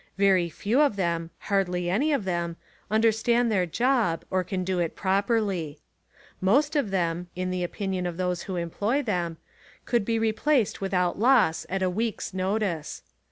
Very few of them — hardly any of them — understand their job or can do It properly. Most of them — In the opinion of 167 Essays and Literary Studies those who employ them — could be replaced without loss at a week's notice.